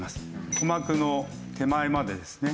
鼓膜の手前までですね